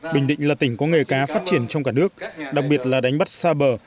bình định là tỉnh có nghề cá phát triển trong cả nước đặc biệt là đánh bắt xa bờ